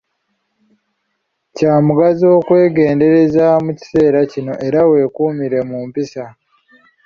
Kya mugaso okwegendereza mu kiseera kino, era weekuumire mu mpisa.